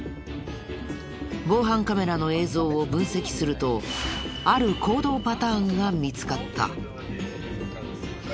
防犯カメラの映像を分析するとある行動パターンが見つかった。